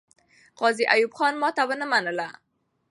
غازي ایوب خان ماتې ونه منله.